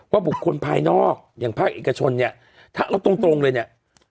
บุคคลภายนอกอย่างภาคเอกชนเนี่ยถ้าเอาตรงเลยเนี่ย